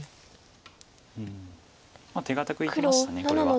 手堅くいきましたこれは。